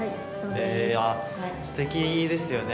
へぇすてきですよね。